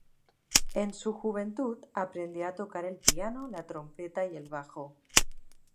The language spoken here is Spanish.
En su juventud aprendió a tocar el piano, la trompeta y el bajo.